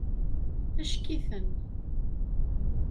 Acek-iten.